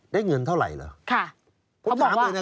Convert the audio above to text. เงินเท่าไหร่เหรอ